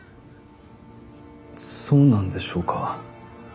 そうなんでしょうか？